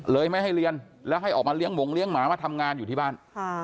ไม่ให้เรียนแล้วให้ออกมาเลี้ยหมงเลี้ยงหมามาทำงานอยู่ที่บ้าน